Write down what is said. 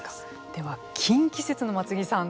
では、近畿説の松木さん